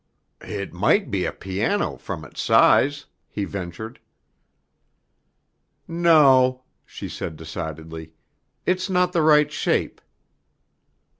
"It might be a piano from its size," he ventured. "No," she said decidedly. "It's not the right shape."